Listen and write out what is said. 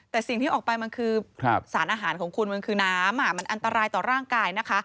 แต่สิ่งที่ออกไปมันคือสารอาหารของคุณมันคือน้ำมันอันตรายต่อร่างกายนะคะ